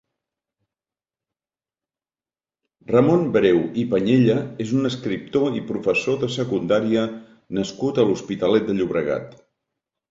Ramon Breu i Pañella és un escriptor i professor de secundària nascut a l'Hospitalet de Llobregat.